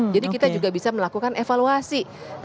jadi kita juga bisa melakukan evaluasi